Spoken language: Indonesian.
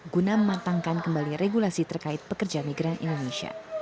guna mematangkan kembali regulasi terkait pekerja migran indonesia